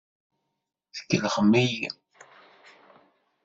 Tkellxem-iyi.